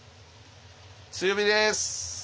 強火です。